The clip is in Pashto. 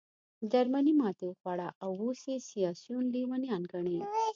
جرمني ماتې وخوړه او اوس یې سیاسیون لېونیان ګڼې